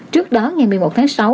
trước đó ngày một mươi một tháng sáu